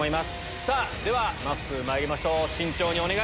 さあ、ではまっすー、まいりましょう。